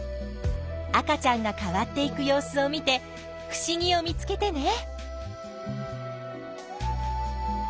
赤ちゃんが変わっていく様子を見てふしぎを見つけてね。